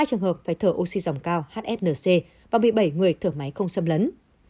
hai trường hợp phải thở oxy dòng cao hsnc và một mươi bảy người thở máy không xâm lấn